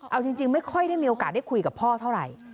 เอาจริงไม่ค่อยได้มีโอกาสได้คุยกับพ่อเท่าไหร่